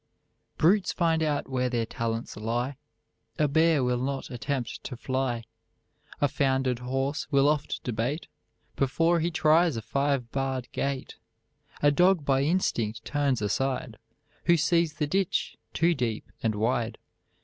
Brutes find out where their talents lie; A bear will not attempt to fly, A foundered horse will oft debate Before he tries a five barred gate. A dog by instinct turns aside Who sees the ditch too deep and wide.